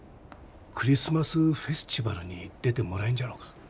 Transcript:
クリスマスフェスチバルに出てもらえんじゃろうか？